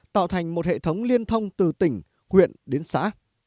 tạo thành một hệ thống liên thông từ tỉnh huyện đến xã